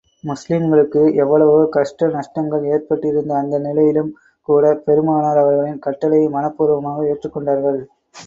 முஸ்லிம்களுக்கு எவ்வளவோ கஷ்ட நஷ்டங்கள் ஏற்பட்டிருந்த அந்த நிலையிலும் கூடப் பெருமானார் அவர்களின் கட்டளையை மனப்பூர்வமாக ஏற்றுக் கொண்டார்கள்.